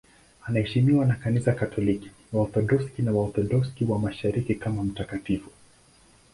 Anaheshimiwa na Kanisa Katoliki, Waorthodoksi na Waorthodoksi wa Mashariki kama mtakatifu.